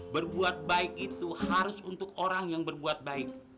berbuat baik itu harus untuk orang yang berbuat baik